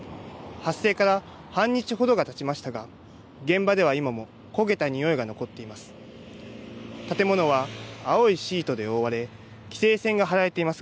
発生から半日ほどがたちましたが現場では今も焦げたにおいが残っています。